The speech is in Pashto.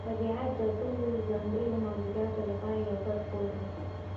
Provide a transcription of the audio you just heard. طبیعت د ټولو ژوندیو موجوداتو لپاره یو ګډ کور دی.